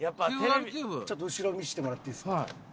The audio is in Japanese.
ちょっと後ろ見せてもらっていいですか？